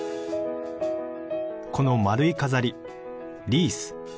この丸い飾りリース。